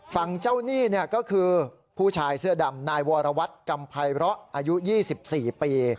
ฝั่งเจ้าหนี้ก็คือผู้ชายเสื้อดำนายวรวัตรกรรมภัยเลาะอายุ๒๔ปี